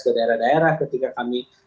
ke daerah daerah ketika kami